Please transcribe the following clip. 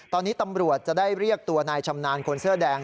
ตอนนี้ตำรวจจะได้เรียกตัวนายชำนาญคนเสื้อแดง